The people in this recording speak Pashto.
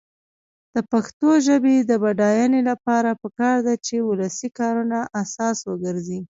د پښتو ژبې د بډاینې لپاره پکار ده چې ولسي کارونه اساس وګرځي.